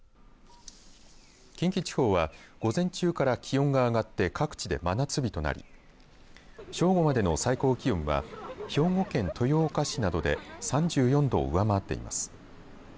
近畿地方は午前中から気温が上がって各地で真夏日となり正午までの最高気温は兵庫県豊岡市などで３４度を上回っています。